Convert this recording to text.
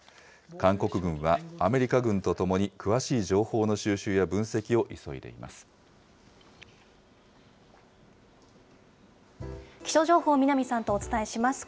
韓国軍はアメリカ軍とともに詳しい情報の収集や分析を急いでいま気象情報、南さんとお伝えします。